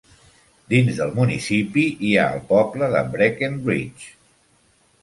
Dins del municipi hi ha el poble de Breckenridge.